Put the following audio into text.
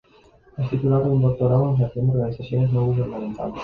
Es titular de un doctorado en gestión de organizaciones no gubernamentales.